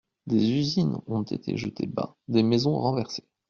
Des usines ont été jetées bas, des maisons renversées.